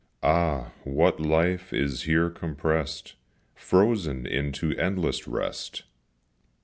Ah, what life is here compressed, Frozen into endless rest!